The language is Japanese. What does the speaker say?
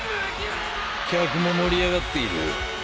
客も盛り上がっている。